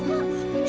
kau bisa kak